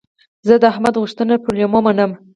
زه د احمد غوښتنه پر لېمو منم.